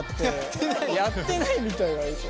「やってないみたい」はうそ。